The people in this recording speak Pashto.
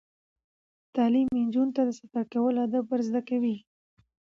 تعلیم نجونو ته د سفر کولو آداب ور زده کوي.